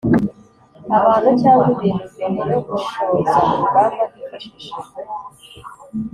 abantu cyangwa ibintu mbere yo gushoza urugamba Hifashishijwe